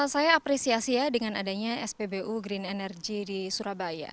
saya apresiasi ya dengan adanya spbu green energy di surabaya